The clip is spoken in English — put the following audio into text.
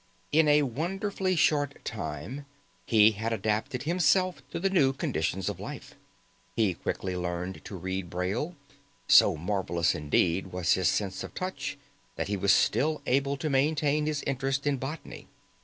In a wonderfully short time he had adapted himself to the new conditions of life. He quickly learned to read Braille. So marvelous indeed was his sense of touch that he was still able to maintain his interest in botany.